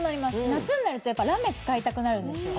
夏になるとラメを使いたくなるんですよ。